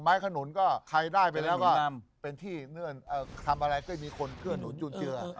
ขนุนก็ใครได้ไปแล้วก็เป็นที่ทำอะไรก็มีคนเกื้อหนุนจุนเจือ